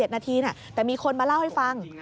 ๗นาทีแต่มีคนมาเล่าให้ฟัง